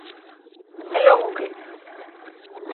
E logo que?